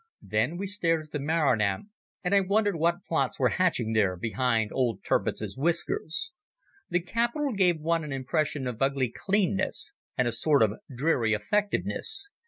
Then we stared at the Marinamt, and I wondered what plots were hatching there behind old Tirpitz's whiskers. The capital gave one an impression of ugly cleanness and a sort of dreary effectiveness.